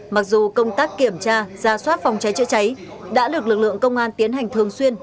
mặc dù công tác kiểm tra ra soát phòng cháy chữa cháy đã được lực lượng công an tiến hành thường xuyên